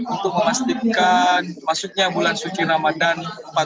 untuk memastikan maksudnya bulan suci ramadhan empat belas empat puluh empat tujuh